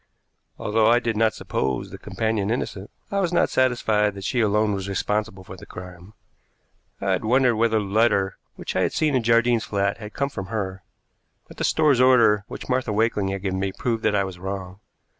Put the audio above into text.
Although I did not suppose the companion innocent, I was not satisfied that she alone was responsible for the crime. I had wondered whether the letter which I had seen in Jardine's flat had come from her, but the store's order which Martha Wakeling had given me proved that I was wrong.